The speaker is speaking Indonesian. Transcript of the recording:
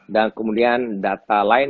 dan kemudian data lain